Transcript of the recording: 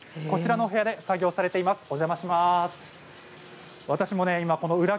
こちらの部屋で作業されています。